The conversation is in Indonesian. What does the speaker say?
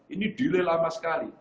ini delay lama sekali